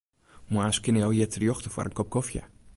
Moarns kinne jo hjir terjochte foar in kop kofje.